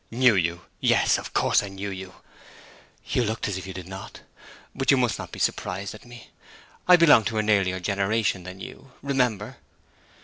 'Knew you yes, of course I knew you!' 'You looked as if you did not. But you must not be surprised at me. I belong to an earlier generation than you, remember.'